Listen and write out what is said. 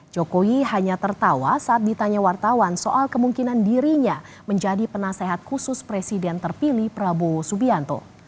jokowi hanya tertawa saat ditanya wartawan soal kemungkinan dirinya menjadi penasehat khusus presiden terpilih prabowo subianto